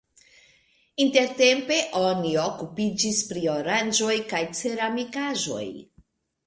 Intertempe oni okupiĝis pri oranĝoj kaj ceramikaĵoj.